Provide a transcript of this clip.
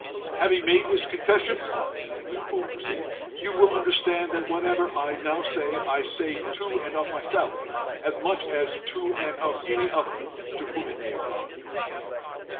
"Having made this confession," Wingfold proceeded, "you will understand that whatever I now say, I say to and of myself as much as to and of any other to whom it may apply."